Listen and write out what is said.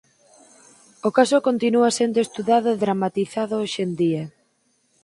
O caso continúa sendo estudado e dramatizado hoxe en día.